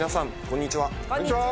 こんにちは！